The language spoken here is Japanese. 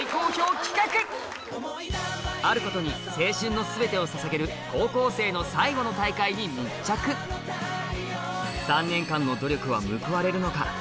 あることに青春の全てを捧げる高校生の最後の大会に密着３年間の努力は報われるのか